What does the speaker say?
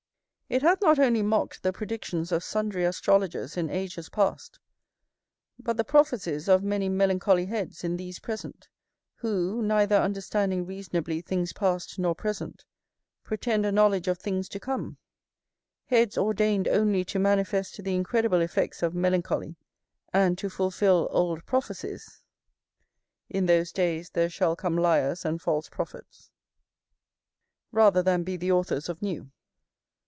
It hath not only mocked the predictions of sundry astrologers in ages past, but the prophecies of many melancholy heads in these present; who, neither understanding reasonably things past nor present, pretend a knowledge of things to come; heads ordained only to manifest the incredible effects of melancholy and to fulfil old prophecies,[O] rather than be the authors of new.